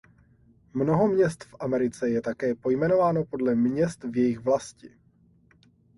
Mnoho měst v Americe je také pojmenováno podle měst v jejich vlasti.